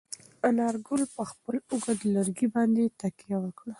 انارګل په خپل اوږد لرګي باندې تکیه وکړه.